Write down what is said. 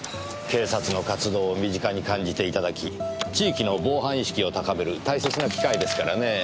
警察の活動を身近に感じていただき地域の防犯意識を高める大切な機会ですからねぇ。